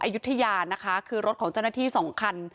อายุธยาคือรถของเจ้าหน้าที่๒คัน